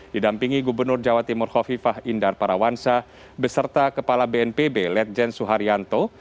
didampingi gubernur jawa timur hovifah indar parawansa beserta kepala bnpb lejen suharyanto